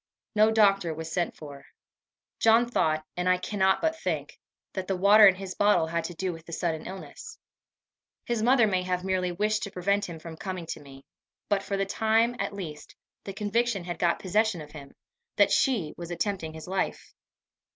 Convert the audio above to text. No doctor was sent for. John thought, and I cannot but think, that the water in his bottle had to do with the sudden illness. His mother may have merely wished to prevent him from coming to me; but, for the time at least, the conviction had got possession of him, that she was attempting his life.